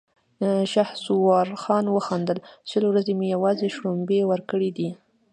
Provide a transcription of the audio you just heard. شهسوار خان وخندل: شل ورځې مې يواځې شړومبې ورکړې دي!